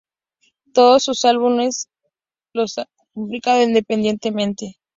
Todos sus álbumes los han publicado independientemente.